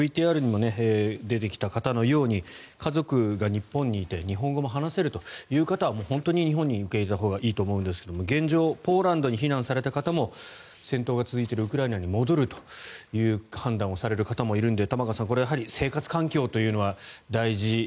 ＶＴＲにも出てきた方のように家族が日本にいて日本語も話せるという方は本当に日本に受け入れたほうがいいと思いますが現状、ポーランドに避難された方も戦闘が続いているウクライナに戻るという判断もされる方もいるので玉川さん、やはり生活環境というのは大事。